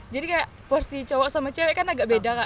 jadi kayak porsi cowok sama cewek kan agak beda kak